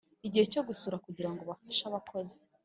Igihe cyo gusura kugira ngo bafashe abakozi